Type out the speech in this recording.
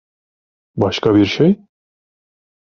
Başka bir şey?